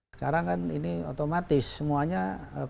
sekarang kan ini otomatis semuanya komunikasinya melalui